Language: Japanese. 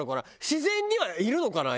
自然にはいるのかな？